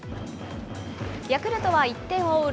ヤクルトは１点を追う